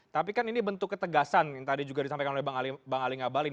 tapi kan ini bentuk ketegasan yang tadi juga disampaikan oleh bang ali ngabalin